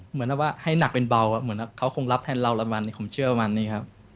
เหมือนแบบว่าให้หนักเป็นเบาเหมือนเขาคงรับแทนเราประมาณนี้ผมเชื่อมันนี่ครับ